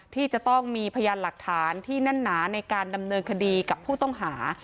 ที่จะต้องมีพยานหลักฐานที่แน่นหนาในการดำเนินคดีกับผู้ต้องหา